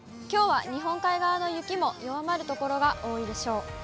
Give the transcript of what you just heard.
きょうは日本海側の雪も弱まる所が多いでしょう。